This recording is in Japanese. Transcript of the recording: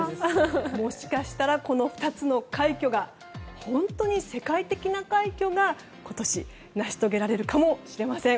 もしかしたらこの２つの快挙が本当に世界的な快挙が今年成し遂げられるかもしれません。